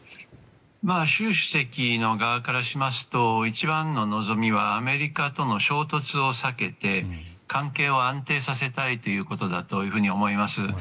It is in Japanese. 習主席の側からしますと一番の望みはアメリカとの衝突を避けて関係を安定させたいということだと思います。